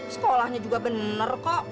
sekolahnya juga bener kok